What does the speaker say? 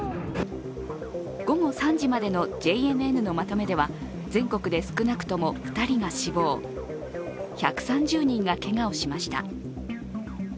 午後３時までのＪＮＮのまとめでは全国で少なくとも２人が死亡１３０人がけがをしました。